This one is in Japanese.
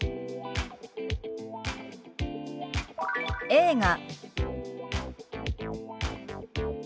「映画」。